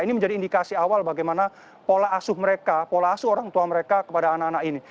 ini menjadi indikasi awal bagaimana pola asuh mereka pola asuh orang tua mereka kepada anak anak ini